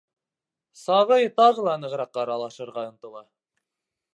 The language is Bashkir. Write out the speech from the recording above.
Сабый тағы ла нығыраҡ аралашырға ынтыла.